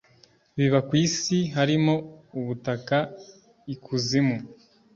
biba ku isi harimo ubutaka ikuzimu